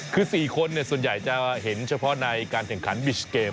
คือ๔คนส่วนใหญ่จะเห็นเฉพาะในการแข่งขันบิชเกม